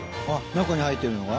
中に入ってるのが？